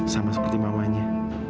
sama seperti mamanya